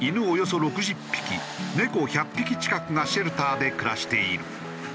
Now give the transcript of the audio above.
およそ６０匹猫１００匹近くがシェルターで暮らしている。